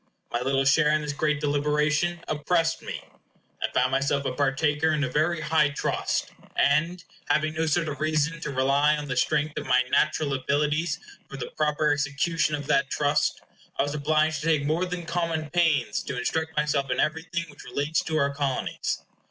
My little share in this great deliberation oppressed me. I found myself a partaker in a very high trust; and, having no sort of reason to rely on the strength of my natural abilities for the proper execution of that trust, I was obliged to take more than common pains to instruct myself in everything which relates to our Colonies.